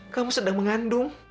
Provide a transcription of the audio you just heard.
kamu sedang mengandung